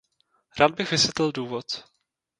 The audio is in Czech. Rád bych vysvětlil důvod.